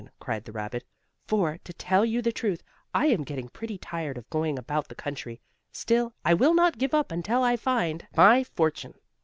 cried the rabbit, "for, to tell you the truth, I am getting pretty tired of going about the country. Still, I will not give up until I find my fortune."